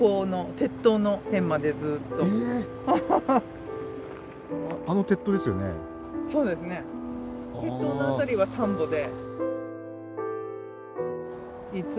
鉄塔の辺りは田んぼで。